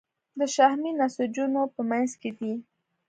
د شحمي نسجونو په منځ کې دي.